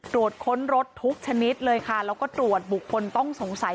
ตรวจค้นรถทุกชนิดเลยค่ะแล้วก็ตรวจบุคคลต้องสงสัย